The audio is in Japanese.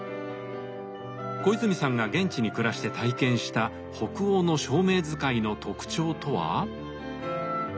小泉さんが現地に暮らして体験した北欧の照明使いの特徴とは？